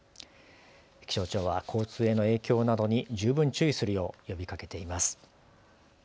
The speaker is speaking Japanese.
気象庁は交通への影響などに十分注意するよう呼びかけています。